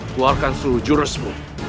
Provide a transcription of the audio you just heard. keluarkan seluruh jurusmu